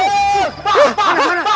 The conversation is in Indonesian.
lihat pak sini pak